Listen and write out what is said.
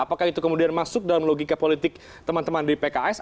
apakah itu kemudian masuk dalam logika politik teman teman di pks